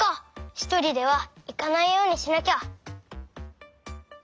ひとりではいかないようにしなきゃ。